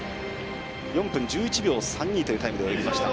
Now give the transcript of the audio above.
４分１１秒３２というタイムで泳ぎました。